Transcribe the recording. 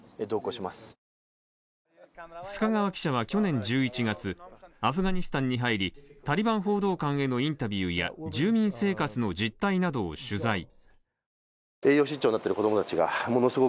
須賀川記者は去年１１月、アフガニスタンへ入りタリバン報道官へのインタビューや住民生活の実態などを取材。